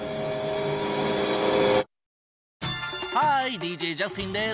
ＤＪジャスティンです。